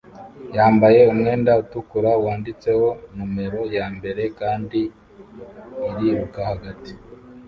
yambaye umwenda utukura wanditseho numero ya mbere kandi iriruka hagati